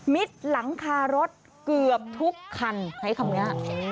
หลังคารถเกือบทุกคันใช้คำนี้